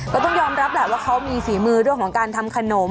ก็ต้องยอมรับแหละว่าเขามีฝีมือเรื่องของการทำขนม